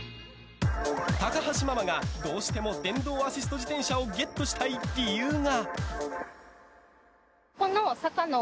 高橋ママがどうしても電動アシスト自転車をゲットしたい理由が。